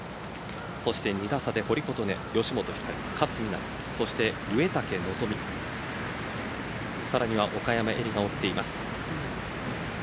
そして２打差で堀琴音吉本ひかる、勝みなみそして植竹希望さらには岡山絵里が追っています。